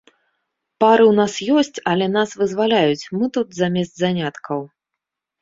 Пары ў нас ёсць, але нас вызваляюць, мы тут замест заняткаў.